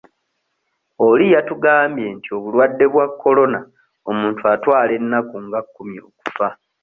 Oli yatugambye nti obulwadde bwa Corona omuntu atwala ennaku nga kkumi okufa.